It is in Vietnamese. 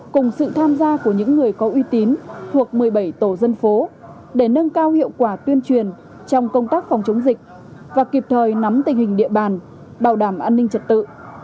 cùng sự tham gia của những người có uy tín thuộc một mươi bảy tổ dân phố để nâng cao hiệu quả tuyên truyền trong công tác phòng chống dịch và kịp thời nắm tình hình địa bàn bảo đảm an ninh trật tự